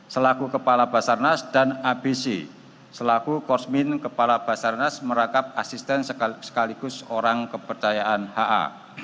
selaku kepala basarnas dan abc selaku kosmin kepala basarnas merangkap asisten sekaligus orang kepercayaan ha